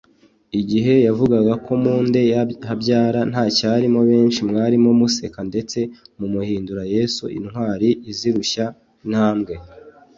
Igihe yavugaga ko munde ya Habyara ntacyarimo benshi mwarimo museka ndetse mumuhindura Yesu intwari izirushya intambwe